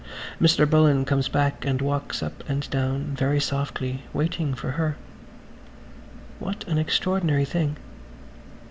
Mr. Bullen comes back and walks up and down, very softly, waiting for her. What an extraordinary thing.